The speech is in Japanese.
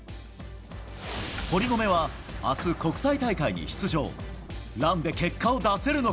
堀米はあす、国際大会に出場。